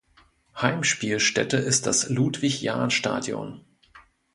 Heimspielstätte ist das Ludwig-Jahn-Stadion.